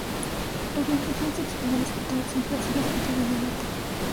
La orientación sexual del escritor siempre ha sido objeto de debate.